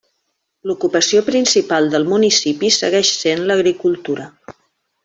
L'ocupació principal del municipi segueix sent l'agricultura.